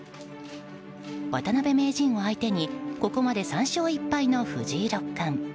渡辺名人を相手にここまで３勝１敗の藤井六冠。